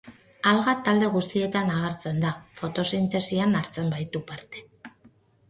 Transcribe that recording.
Alga talde guztietan agertzen da, fotosintesian hartzen baitu parte.